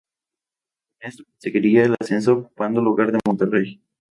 Con esto conseguiría el ascenso ocupando el lugar de Monterrey.